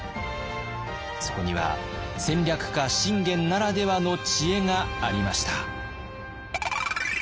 そこには戦略家信玄ならではの知恵がありました。